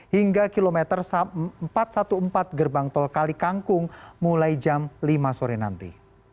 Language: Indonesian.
hingga kilometer empat ratus empat belas gerbang tol kali kangkung mulai jam lima sore nanti